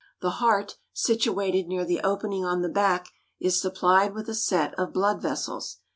The heart, situated near the opening on the back, is supplied with a set of blood vessels.